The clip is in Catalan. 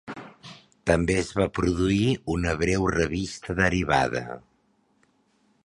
També es va produir una breu revista derivada.